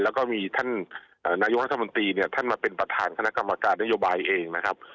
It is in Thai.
แล้วก็มีท่านนายกรัฐมนตรีเนี่ยท่านมาเป็นประธานคณะกรรมการนโยบายเองนะครับ